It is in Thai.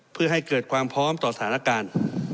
เพื่อให้เกิดความพร้อมต่อสถานการณ์